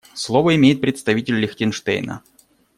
Слово имеет представитель Лихтенштейна.